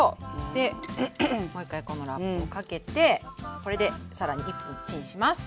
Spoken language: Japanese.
でもう一回このラップをかけてこれで更に１分チンします。